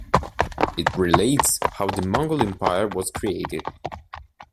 It relates how the Mongol Empire was created.